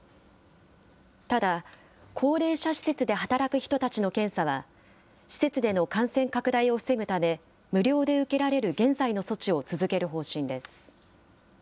ただ、高齢者施設で働く人たちの検査は、施設での感染拡大を防ぐため、無料で受けられる現在の措置を続ける方針です。